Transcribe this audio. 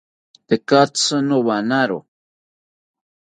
Tekatzi nowanawo